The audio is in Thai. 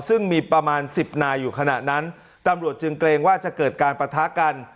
ซึ่งมีประมาณสิบนายอยู่ขณะนั้นตำรวจจึงเกรงว่าจะเกิดการปะทะกัน